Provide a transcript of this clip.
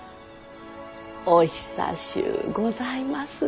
お久しゅうございますのう。